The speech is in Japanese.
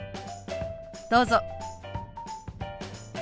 どうぞ。